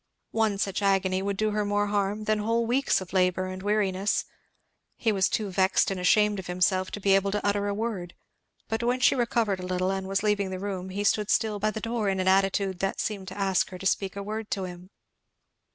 One such agony would do her more harm than whole weeks of labour and weariness. He was too vexed and ashamed of himself to be able to utter a word, but when she recovered a little and was leaving the room he stood still by the door in an attitude that seemed to ask her to speak a word to him.